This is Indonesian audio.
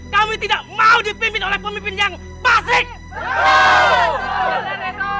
kami tidak mau dipimpin oleh pemimpin yang pasik